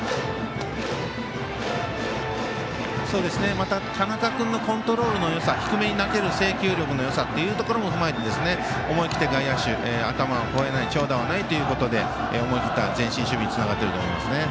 また、田中君のコントロールのよさ低めに投げる制球力のよさも踏まえて思い切って外野手、頭を越えない長打はないということで思い切った前進守備につながってると思いますね。